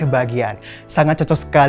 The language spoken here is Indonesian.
ini bunga matahari yang sangat cocok